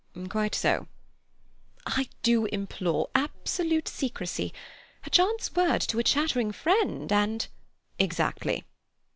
"Quite so." "I do implore absolute secrecy. A chance word to a chattering friend, and—" "Exactly."